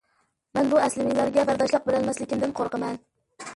مەن بۇ ئەسلىمىلەرگە بەرداشلىق بېرەلمەسلىكىمدىن قورقىمەن.